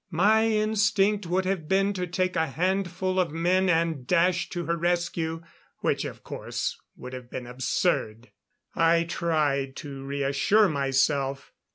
My instinct would have been to take a handful of men and dash to her rescue which of course would have been absurd. I tried to reassure myself.